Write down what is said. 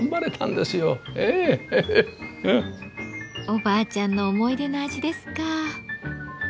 おばあちゃんの思い出の味ですか。